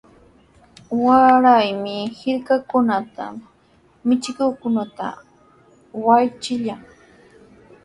Wayrami hirkakunatraw michikuqkunata waychillan.